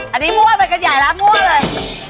อันนี้มั่วไปกันใหญ่แล้วมั่วเลย